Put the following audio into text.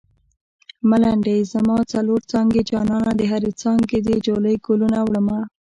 ملنډۍ: زما څلور څانګې جانانه د هرې څانګې دې جولۍ ګلونه وړمه